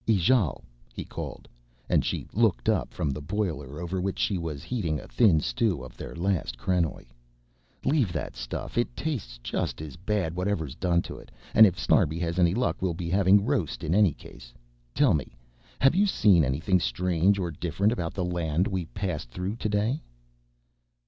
Ijale," he called, and she looked up from the boiler over which she was heating a thin stew of their last krenoj. "Leave that stuff, it tastes just as bad whatever is done to it, and if Snarbi has any luck we'll be having roast in any case. Tell me, have you seen anything strange or different about the land we passed through today."